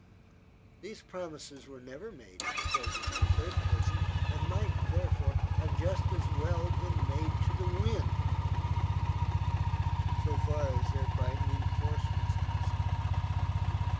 These promises were never made in the presence of a third person, and might, therefore, have just as well been made to the wind, so far as their binding force was concerned.